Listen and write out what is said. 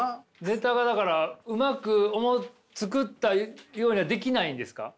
ネタがだからうまく作ったようにはできないんですか？